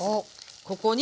ここに。